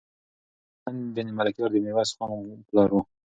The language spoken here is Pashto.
حسين بن ملکيار د ميرويس خان پلار و.